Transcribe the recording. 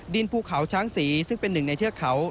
ภูเขาช้างศรีซึ่งเป็นหนึ่งในเทือกเขา